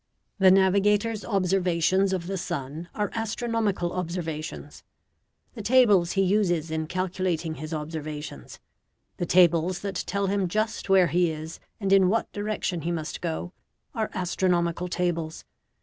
The navigator's observations of the sun are astronomical observations; the tables he uses in calculating his observations the tables that tell him just where he is and in what direction he must go are astronomical tables.